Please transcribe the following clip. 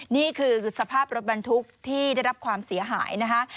นี่คือสภาพรถบรรทุกที่ได้รับความเสียหายนะคะ